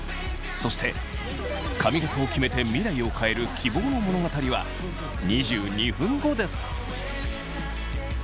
そして髪形をきめて未来を変える希望の物語は２２分後です！